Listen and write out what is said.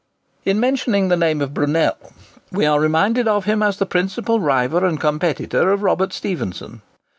In mentioning the name of Brunel, we are reminded of him as the principal rival and competitor of Robert Stephenson.